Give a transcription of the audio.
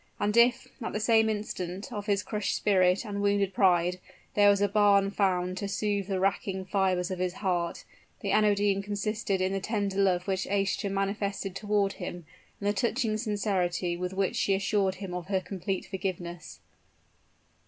And if, at the same instant of his crushed spirit and wounded pride, there were a balm found to soothe the racking fibers of his heart, the anodyne consisted in the tender love which Aischa manifested toward him, and the touching sincerity with which she assured him of her complete forgiveness.